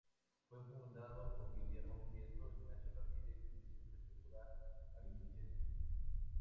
Fue fundado por Guillermo Prieto, Ignacio Ramírez y Vicente Segura Argüelles.